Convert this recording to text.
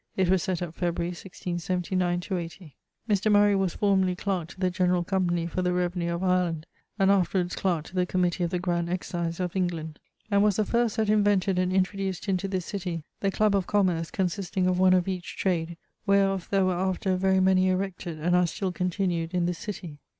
It was set up Feb. 1679/80. Mr. Murray was formerly clarke to the generall company for the revenue of Ireland, and afterwards clark to the committee of the grand excise of England; and was the first that invented and introduced into this city the club of commerce consisting of one of each trade, whereof there were after very many erected and are still continued in this city.